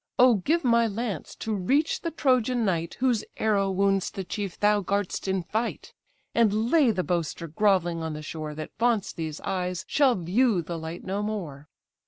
O give my lance to reach the Trojan knight, Whose arrow wounds the chief thou guard'st in fight; And lay the boaster grovelling on the shore, That vaunts these eyes shall view the light no more."